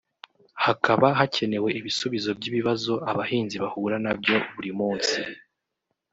hakaba hakenewe ibisubizo by’ibibazo abahinzi bahura nabyo buri munsi